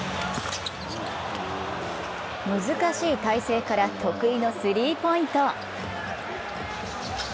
難しい体勢から得意のスリーポイント。